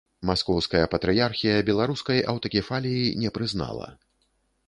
Маскоўская патрыярхія беларускай аўтакефаліі не прызнала.